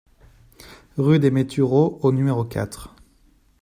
Rue des Métureauds au numéro quatre